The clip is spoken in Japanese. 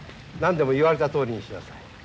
何でも言われたとおりにしなさい。